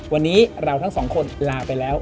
วันนี้เราทั้งสองคนลาไปแล้ว